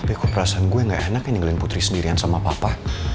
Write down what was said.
tapi kok perasaan gue gak enak nih ninggalin putri sendirian sama papa